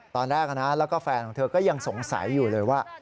ตอนแรกนะแล้วก็แฟนของเธอก็ยังสงสัยอยู่เลยว่า